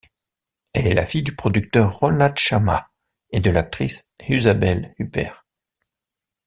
Elle est la fille du producteur Ronald Chammah et de l'actrice Isabelle Huppert.